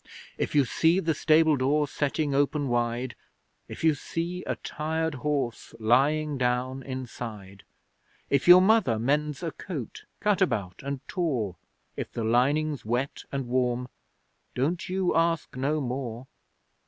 If you see the stable door setting open wide; If you see a tired horse lying down inside; If your mother mends a coat cut about and tore; If the lining's wet and warm don't you ask no more!